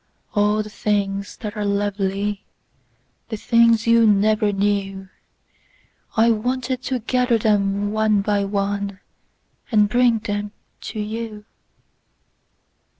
All the things that are lovely—The things you never knew—I wanted to gather them one by oneAnd bring them to you.